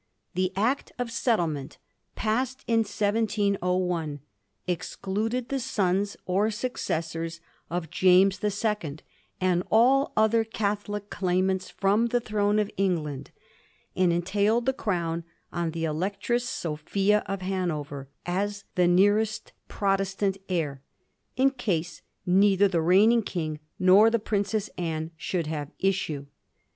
The Act of Settlement, passed in 1701, excluded the sons or successors of James the Second and all other Catholic claimants from the throne of England, and entailed the crown on the Electress Sophia of Hanover as the nearest Protestant heir, in case neither the reigning king nor the Princess Anne should have issue.